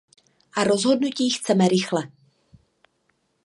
A rozhodnutí chceme rychle.